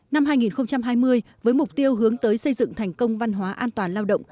năm hai nghìn hai mươi với mục tiêu hướng tới xây dựng thành công văn hóa an toàn lao động